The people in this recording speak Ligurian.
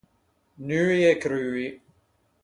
Nui e crui.